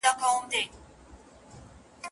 د نېستمنو چي یې ګيډي مړولې